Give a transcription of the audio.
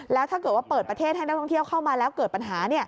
แล้วถ้าเกิดว่าเปิดประเทศให้นักท่องเที่ยวเข้ามาแล้วเกิดปัญหา